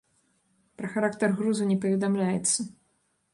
Пра характар грузу не паведамляецца.